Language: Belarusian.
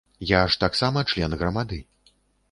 Я ж таксама член грамады.